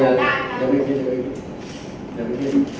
นายกนายกก็จะไม่คิดจะไม่คิดจะไม่คิด